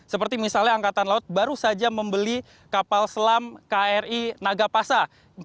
seperti misalnya angkatan laut baru saja membeli kapal selam kri nagapasa empat ratus tiga